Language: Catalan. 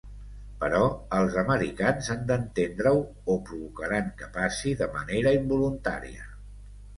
Però els americans han d'entendre-ho o provocaran que passi de manera involuntària.